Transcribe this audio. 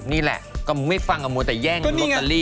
นี่แหละก็ไม่ฟังกับมัวแต่แย่งลอตเตอรี่